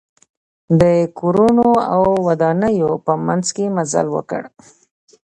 د کورونو او ودانیو په منځ کې مزل وکړ.